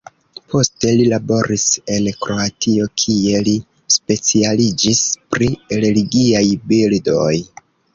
Poste li laboris en Kroatio kie li specialiĝis pri religiaj bildoj.